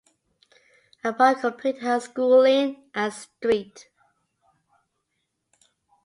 Upon completing her schooling at St.